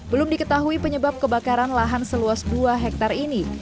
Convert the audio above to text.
belum diketahui penyebab kebakaran lahan seluas dua hektare ini